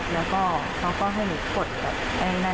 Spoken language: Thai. แล้วก็เขาก็ให้หนูกดแบบอะไรแบบนั้น